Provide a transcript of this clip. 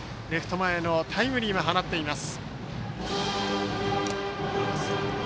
前のタイムリーも放っています。